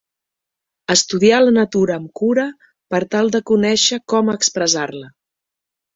Estudiar la natura amb cura, per tal de conèixer com expressar-la.